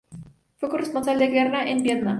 Fue corresponsal de guerra en Vietnam.